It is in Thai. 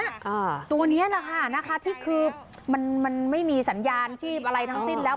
อ่าตัวเนี้ยแหละค่ะนะคะที่คือมันมันไม่มีสัญญาณชีพอะไรทั้งสิ้นแล้ว